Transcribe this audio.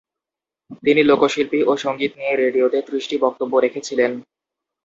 তিনি লোকশিল্প ও সংগীত নিয়ে রেডিওতে ত্রিশটি বক্তব্য রেখেছিলেন।